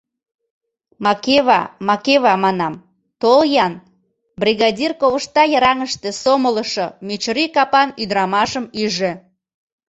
— Макева, Макева манам, тол-ян, — бригадир ковышта йыраҥыште сомылышо мӧчырий капан ӱдырамашым ӱжӧ.